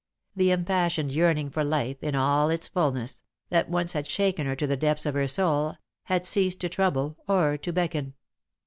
The impassioned yearning for life, in all its fulness, that once had shaken her to the depths of her soul, had ceased to trouble or to beckon.